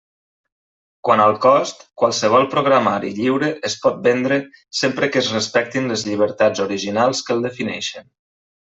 Quant al cost, qualsevol programari lliure es pot vendre, sempre que es respectin les llibertats originals que el defineixen.